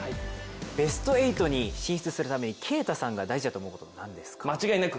ベスト８に進出するために啓太さんが必要だと思うことは何ですか？